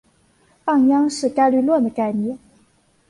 半鞅是概率论的概念。